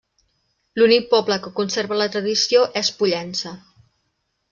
L'únic poble que conserva la tradició es Pollença.